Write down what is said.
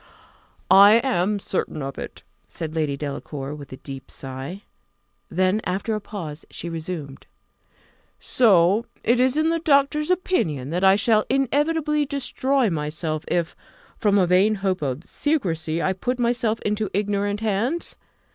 "I am certain of it," said Lady Delacour, with a deep sigh. Then, after a pause, she resumed: "So it is the doctor's opinion, that I shall inevitably destroy myself if, from a vain hope of secrecy, I put myself into ignorant hands?